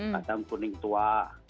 kadang kuning tua